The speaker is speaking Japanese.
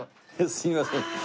すみません。